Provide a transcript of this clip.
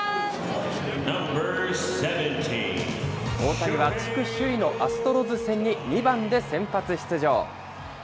大谷は地区首位のアストロズ戦に２番で先発出場。